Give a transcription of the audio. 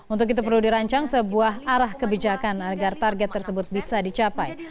untuk itu perlu dirancang sebuah arah kebijakan agar target tersebut bisa dicapai